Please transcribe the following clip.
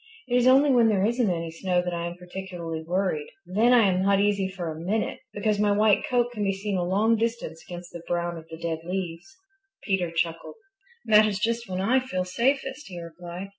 It is only when there isn't any snow that I am particularly worried. Then I am not easy for a minute, because my white coat can be seen a long distance against the brown of the dead leaves." Peter chuckled, "that is just when I feel safest," he replied.